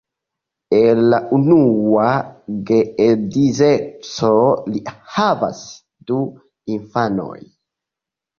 El la unua geedzeco li havas du infanojn.